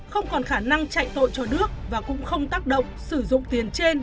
không còn khả năng chạy tội cho đức và cũng không tác động sử dụng tiền trên